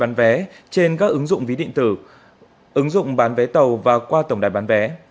bán vé trên các ứng dụng ví điện tử ứng dụng bán vé tàu và qua tổng đài bán vé